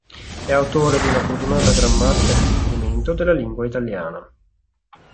È autore di una fortunata grammatica di riferimento della lingua italiana.